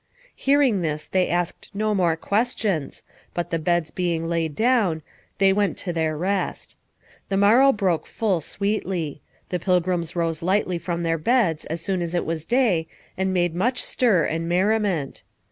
Hearing this they asked no more questions, but the beds being laid down, they went to their rest. The morrow broke full sweetly. The pilgrims rose lightly from their beds as soon as it was day, and made much stir and merriment.